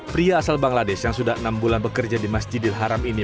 pria asal bangladesh yang sudah enam bulan bekerja di masjidil haram ini